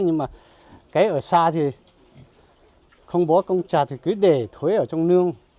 nhưng mà cái ở xa thì không bố công trả thì cứ để thuế ở trong nương